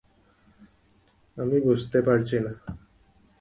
আমি বুঝতে পারছি না!